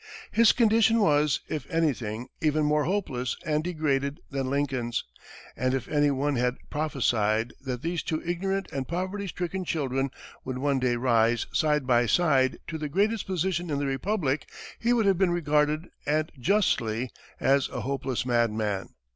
His condition was, if anything, even more hopeless and degraded than Lincoln's, and if any one had prophesied that these two ignorant and poverty stricken children would one day rise, side by side, to the greatest position in the Republic, he would have been regarded, and justly, as a hopeless madman.